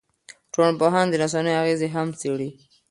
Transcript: ټولنپوهنه د رسنیو اغېزې هم څېړي.